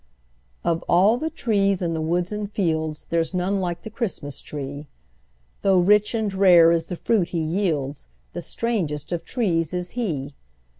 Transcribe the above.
Of all the trees in the woods and fields There's none like the Christmas tree; Tho' rich and rare is the fruit he yields, The strangest of trees is he.